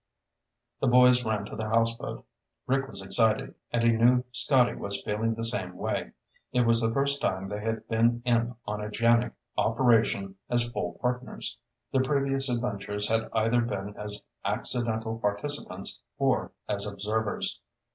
The boys ran to the houseboat. Rick was excited, and he knew Scotty was feeling the same way. It was the first time they had been in on a JANIG operation as full partners. Their previous adventures had either been as accidental participants or as observers.